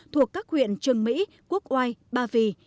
thuộc các huyện trường mỹ quốc oai ba vì